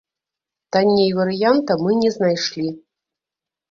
Танней варыянта мы не знайшлі.